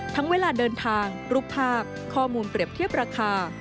เวลาเดินทางรูปภาพข้อมูลเปรียบเทียบราคา